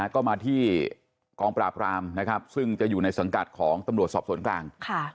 ก็มาที่กองปราบรามนะครับซึ่งจะอยู่ในสังกัดของตำรวจสอบสวนกลาง